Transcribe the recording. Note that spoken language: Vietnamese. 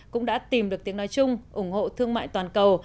cũng đã tìm được tiếng nói chung ủng hộ thương mại toàn cầu